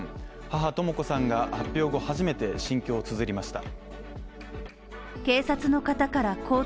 母とも子さんが、発表後初めて心境をつづりました。